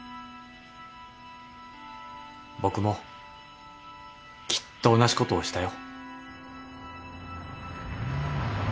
僕もきっと同じことをしたよ。